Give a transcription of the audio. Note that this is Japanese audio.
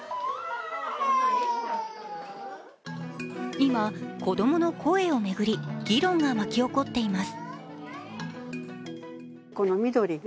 今、子供の声を巡り議論が巻き起こっています。